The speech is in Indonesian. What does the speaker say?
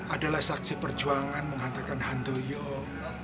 adalah saksi perjuangan menghantarkan hantu yuk